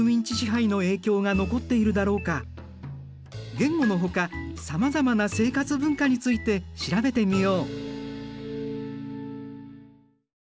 言語のほかさまざまな生活文化について調べてみよう。